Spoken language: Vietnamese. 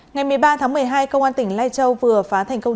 ngày một mươi ba tháng một mươi hai công an tỉnh lai châu vừa phá thành công